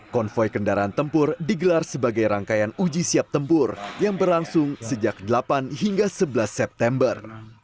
konvoy kendaraan tempur digelar sebagai rangkaian uji siap tempur yang berlangsung sejak delapan hingga sebelas september